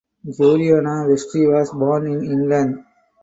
Juliana Westray was born in England.